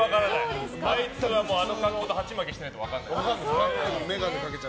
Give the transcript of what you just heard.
あいつはあの格好ではちまきしてないと分からない。